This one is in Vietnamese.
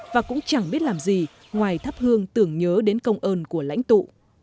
và cũng chẳng biết làm gì ngoài thắp hương tưởng nhớ đến công ơn của lãnh tụ